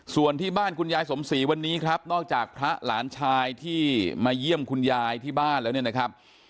ส่วนที่บ้านคุณยายสมศรีวันนี้ครับนอกจากพระหลานชายที่มาเยี่ยมคุณยายที่บ้านแล้วเนี่ยนะครับ